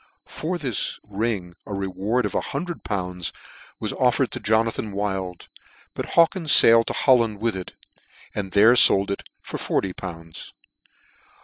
For this ring a reward of lool. was offered to Jonathan Wild ; but Haw kins failed to Holland with it, and there fold it for forty pounds.